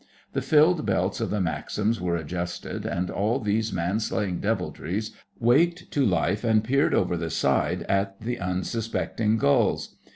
The filled belts of the Maxims were adjusted, and all these man slaying deviltries waked to life and peered over the side at the unsuspecting gulls.